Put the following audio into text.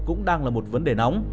cũng đang là một vấn đề nóng